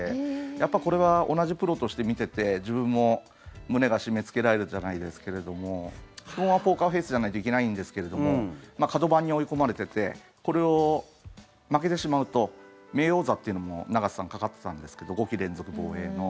やっぱこれは同じプロとして見てて自分も胸が締めつけられるじゃないですけれども基本はポーカーフェースじゃないといけないんですけれども角番に追い込まれててこれを負けてしまうと名誉王座っていうのも永瀬さんかかってたんですけど５期連続防衛の。